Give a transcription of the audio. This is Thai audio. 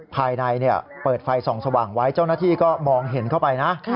ภายในเปิดไฟส่องสว่างไว้เจ้าหน้าที่ก็มองเห็นเข้าไปนะ